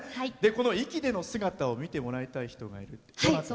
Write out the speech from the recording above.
壱岐での姿を見てもらいたい人がいると。